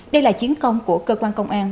đây là chiến công của cơ quan công an